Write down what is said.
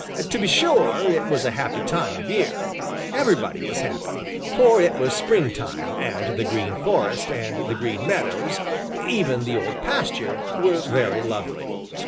To be sure it was a happy time of year. Everybody was happy, for it was spring time, and the Green Forest and the Green Meadows, even the Old Pasture, were very lovely.